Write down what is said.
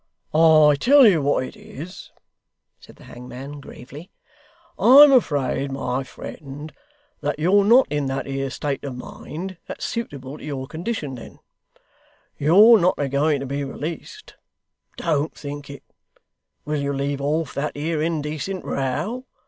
'I tell you what it is,' said the hangman, gravely; 'I'm afraid, my friend, that you're not in that 'ere state of mind that's suitable to your condition, then; you're not a going to be released: don't think it Will you leave off that 'ere indecent row?